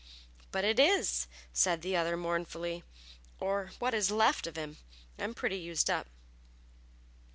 "But it is," said the other, mournfully, "or what is left of him; I'm pretty well used up."